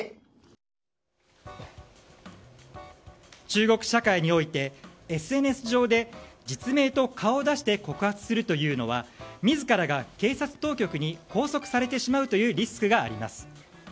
中国社会において、ＳＮＳ上で実名と顔を出して告発するのは自らが警察当局に拘束されてしまうというリスクがあります。